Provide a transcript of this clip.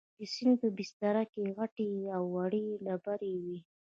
د سیند په بستر کې غټې او وړې ډبرې وې.